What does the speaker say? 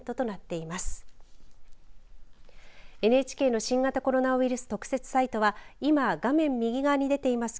ＮＨＫの新型コロナウイルス特設サイトは今、画面右側に出ています